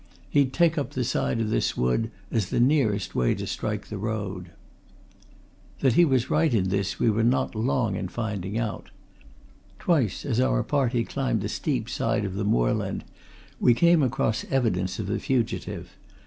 He'd take up the side of this wood, as the nearest way to strike the road." That he was right in this we were not long in finding out. Twice, as our party climbed the steep side of the moorland we came across evidences of the fugitive.